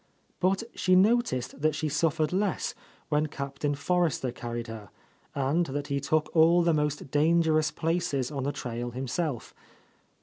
But she noticed that she suffered less when Captain Forrester carried her, and that he took all thei most dangerous places on the trail himself.